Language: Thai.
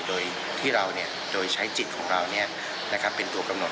โดยที่เราโดยใช้จิตของเราเป็นตัวกำหนด